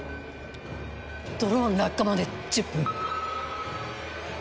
ドローン落下まで１０分。